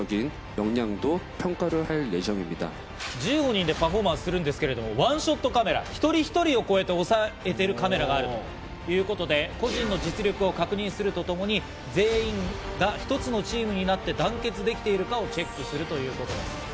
１５人でパフォーマンスするんですけど、ワンショットカメラ、一人一人を抑えているカメラがあるということで、個人の実力を確認するとともに、全員一つのチームになって団結できているかをチェックするということです。